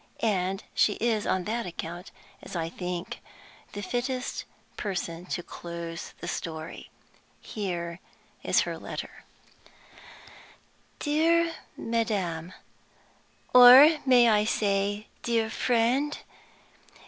And she is on that account, as I think, the fittest person to close the story. Here is her letter: "DEAR MADAM (or may I say 'dear friend'?)